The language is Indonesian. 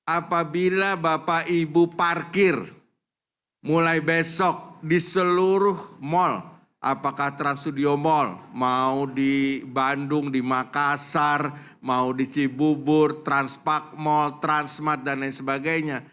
apabila bapak ibu parkir mulai besok di seluruh mal apakah trans studio mall mau di bandung di makassar mau di cibubur transpak mall transmat dan lain sebagainya